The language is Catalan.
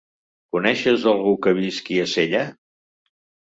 Coneixes algú que visqui a Sella?